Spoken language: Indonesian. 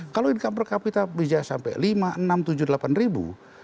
kalau income per capita bisa sampai lima enam tujuh delapan ribu